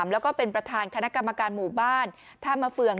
แล้วก็เป็นประธานคณะกรรมการหมู่บ้านท่ามะเฟือง